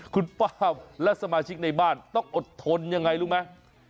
คุณป้าและสมาชิกในบ้านต้องอดทนยังไงรู้ไหม